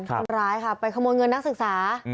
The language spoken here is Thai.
คนร้ายค่ะไปขโมยเงินนักศึกษา